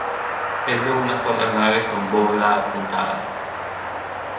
Es de una sola nave con bóveda apuntada.